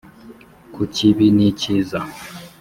kukibi nicyiza”